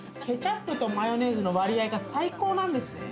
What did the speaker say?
ケチャップとマヨネーズの割合が最高なんです。